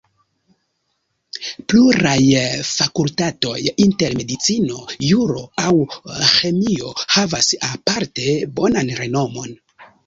Pluraj fakultatoj, inter medicino, juro aŭ ĥemio, havas aparte bonan renomon.